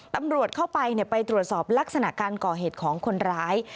ตำรวจเข้าไปไปตรวจสอบลักษณะการก่อเหตุของคนร้าย